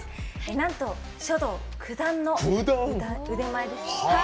なんと、書道９段の腕前で。